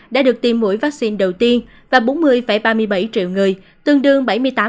đã được tiêm mỗi vaccine đầu tiên và bốn mươi ba mươi bảy triệu người tương đương bảy mươi tám